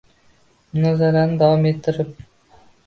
Munozarani davom ettirib